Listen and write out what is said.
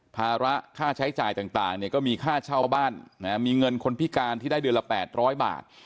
ภาระค่าใช้จ่ายต่างเนี่ยก็มีค่าเช่าบ้านมีเงินคนพิการที่ได้เดือนละ๘๐๐บาท